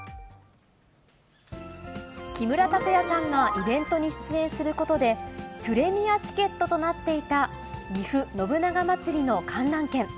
木村拓哉さんがイベントに出演することで、プレミアチケットとなっていたぎふ信長まつりの観覧券。